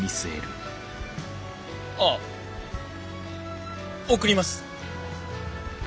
あ送ります。